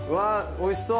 おいしそう！